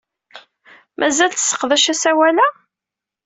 Mazal tesseqdac asawal-a?